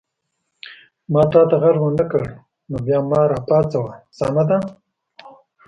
ما تا ته غږ ونه کړ نو بیا ما را پاڅوه، سمه ده؟